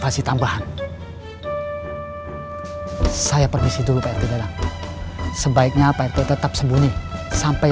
pasti tambahan saya permisi dulu sebaiknya tetap sembunyi sampai